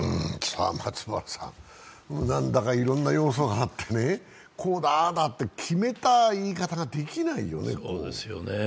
何だかいろんな要素があってこうだああだって決め方ができないよね。